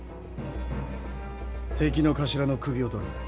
敵の頭の首を取る。